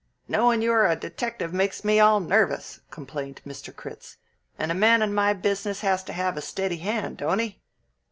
"Knowin' you are a detective makes me all nervous," complained Mr. Critz; "and a man in my business has to have a steady hand, don't he?"